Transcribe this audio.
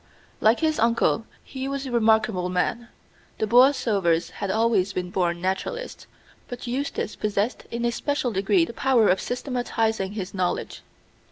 Like his uncle, he was a remarkable man. The Borlsovers had always been born naturalists, but Eustace possessed in a special degree the power of systematizing his knowledge.